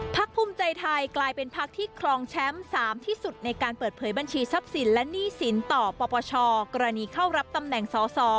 ภูมิใจไทยกลายเป็นพักที่ครองแชมป์๓ที่สุดในการเปิดเผยบัญชีทรัพย์สินและหนี้สินต่อปปชกรณีเข้ารับตำแหน่งสอสอ